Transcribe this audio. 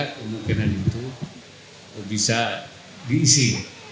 kemungkinan itu bisa diisi